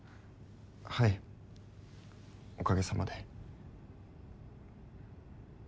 はいおかげさまで。